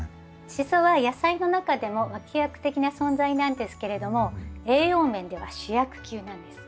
シソは野菜の中でも脇役的な存在なんですけれども栄養面では主役級なんです。